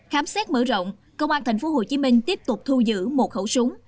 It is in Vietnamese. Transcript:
khám xét mở rộng công an tp hcm tiếp tục thu giữ một khẩu súng